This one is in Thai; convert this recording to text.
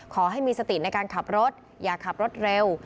ขอให้มีสติในการขับรถอย่าขับรถเร็ว